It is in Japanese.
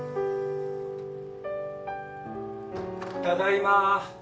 ただいま。